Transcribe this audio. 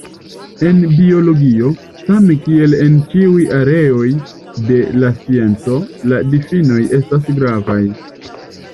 En biologio, same kiel en ĉiuj areoj de la scienco, la difinoj estas gravaj.